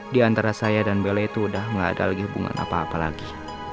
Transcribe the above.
di antara saya dan bele itu udah gak ada lagi hubungan apa apa lagi